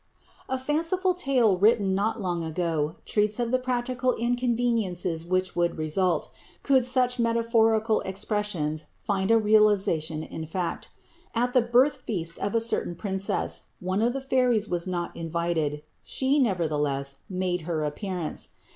A fanciful tale written not long ago treats of the practical inconveniences which would result, could such metaphorical expressions find a realization in fact. At the birth feast of a certain princess, one of the fairies was not invited; she, nevertheless, made her appearance.